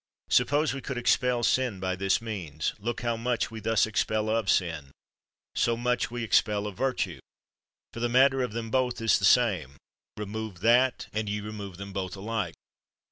Sup pose we could expel sin by this means ; look how much we thus expel of sin, so much we expel of virtue ; for the matter of them both is the same — remove that, and ye remove them both alike.